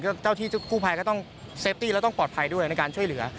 เจ้าที่กู้ภัยก็ต้องเซฟตี้แล้วต้องปลอดภัยด้วยในการช่วยเหลือ